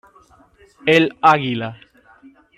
El Águila.